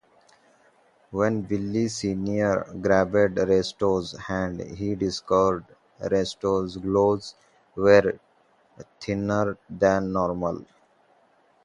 When Billy Senior grabbed Resto's hand, he discovered Resto's gloves were thinner than normal.